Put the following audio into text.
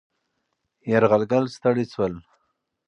یرغلګر ستړي شول.